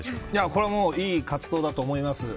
これはいい活動だと思います。